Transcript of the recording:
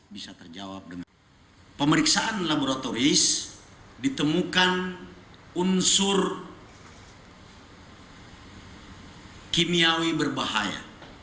bisa terjawab dengan pemeriksaan laboratoris ditemukan unsur kimiawi berbahaya